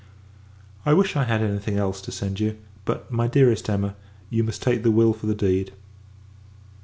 I wish, I had any thing else to send you; but, my dearest Emma, you must take the will for the deed.